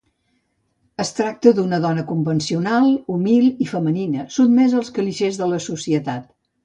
Es tracta d’una dona convencional, humil i femenina, sotmesa als clixés de la societat.